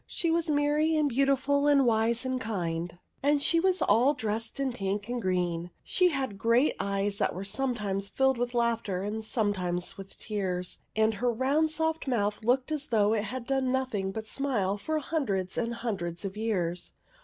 She was merry and beautiful and wise and kind ; and she was all dressed in pink and green, and she had great eyes that were some times filled with laughter and sometimes filled with tears, and her round soft mouth looked as though it had done nothing but smile for hun dreds and hundreds of years.